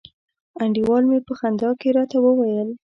انډیوال می په خندا کي راته وویل